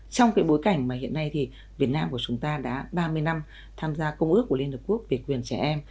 trong cái bối cảnh mà hiện nay thì việt nam của chúng ta đã ba mươi năm tham gia công ước của liên hợp quốc về quyền trẻ em